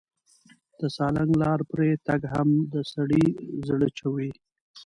د سالنګ لار پرې تګ هم د سړي زړه چوي.